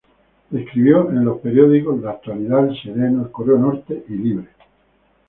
Escribió en los periódicos "La Actualidad", "El Sereno", "El Correo del Norte" y "Libre".